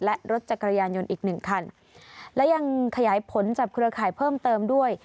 และรถจักรยานยนต์อีกหนึ่งคันและยังขยายผลจับเครือข่ายเพิ่มเติมด้วย